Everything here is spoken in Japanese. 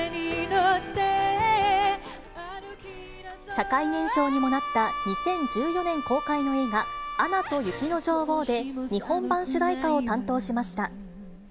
社会現象にもなった２０１４年公開の映画、アナと雪の女王で日本版主題歌を担当しました。